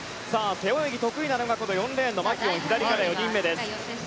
背泳ぎ、得意なのが４レーンのマキュオン左から４人目です。